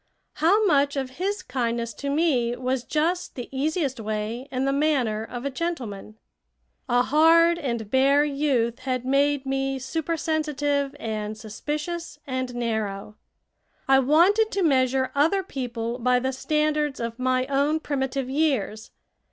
How much of his kindness to me was just the easiest way and the manner of a gentleman? A hard and bare youth had made me supersensitive and suspicious and narrow. I wanted to measure other people by the standards of my own primitive years.